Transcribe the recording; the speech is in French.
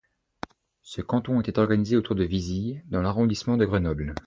Ce canton était organisé autour de Vizille dans l'arrondissement de Grenoble.